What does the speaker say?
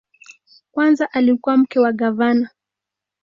Kwanza alikuwa mke wa gavana.